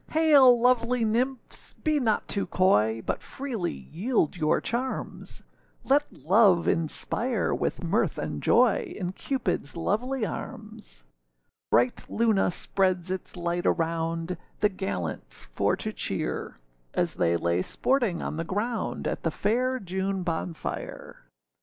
Hail! lovely nymphs, be not too coy, But freely yield your charms; Let love inspire with mirth and joy, In Cupidâs lovely arms. Bright Luna spreads its light around, The gallants for to cheer; As they lay sporting on the ground, At the fair June bonfire.